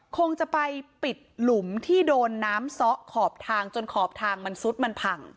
คงจะไปปิดหลุมที่โดนน้ำซ้อขอบทางจนขอบทางมันซุดมันพัง